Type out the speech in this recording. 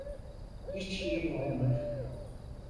Hiç iyi olmadı.